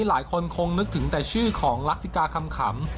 หลายคนคงนึกถึงแต่ชื่อของลักษิกาคำขำ